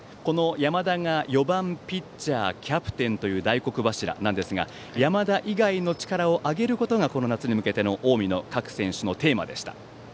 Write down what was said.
山田は４番ピッチャーキャプテンという大黒柱ですが山田以外の力を上げることがこの夏に向けての近江の各選手のテーマでした。